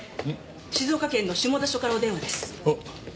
静岡県の下田署からお電話です。